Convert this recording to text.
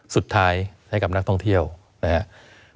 ให้กับนักท่องเที่ยวนะครับ